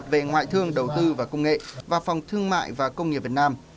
về ngoại thương đầu tư và công nghệ và phòng thương mại và công nghiệp việt nam